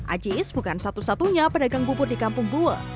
ajis bukan satu satunya pedagang bubur di kampung buwe